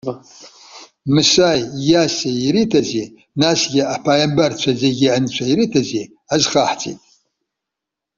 Мысаи, Иасеи ириҭази, насгьы аԥааимбарцәа зегьы Анцәа ириҭази азхаҳҵеит.